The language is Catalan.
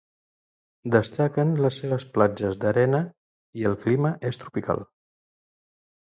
Destaquen les seves platges d'arena, i el clima és tropical.